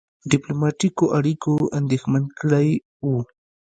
ډيپلوماټیکو اړیکو اندېښمن کړی وو.